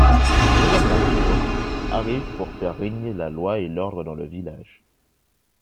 Jason McCullough arrive pour faire régner la loi et l'ordre dans le village...